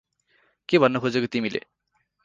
के भन्न खोजेको तिमीले?